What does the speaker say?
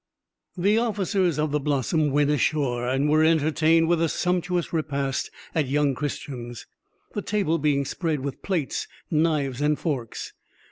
The officers of the Blossom went ashore, and were entertained with a sumptuous repast at young Christian's, the table being spread with plates, knives, and forks.